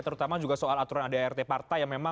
terutama juga soal aturan adrt partai